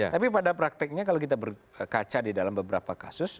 tapi pada prakteknya kalau kita berkaca di dalam beberapa kasus